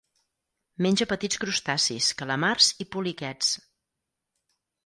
Menja petits crustacis, calamars i poliquets.